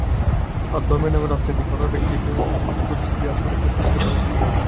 আর ধর্মের নামে রাজনীতি করা ব্যক্তিটিও উৎকোচ দিয়ে আত্মরক্ষার চেষ্টা করেছেন।